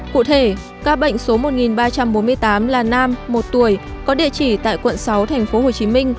cụ thể ca bệnh số một ba trăm bốn mươi tám là nam một tuổi có địa chỉ tại quận sáu tp hcm